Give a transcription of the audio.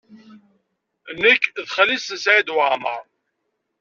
Nekk d xali-s n Saɛid Waɛmaṛ.